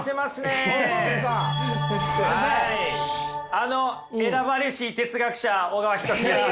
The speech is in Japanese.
あの選ばれし哲学者小川仁志です。